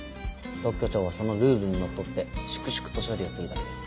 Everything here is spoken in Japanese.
特許庁はそのルールにのっとって粛々と処理をするだけです。